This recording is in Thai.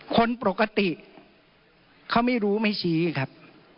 คนปกติเขาไม่รู้ไม่ชี้ครับ